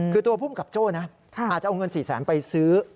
คือตัวภูมิกับโจ้นะอาจจะเอาเงิน๔แสนไปซื้อ